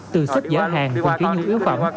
từ xếp giới hàng